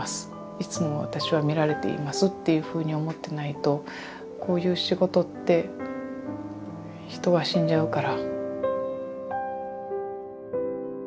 いつも私は見られていますっていうふうに思ってないとこういう仕事って人は死んじゃうから。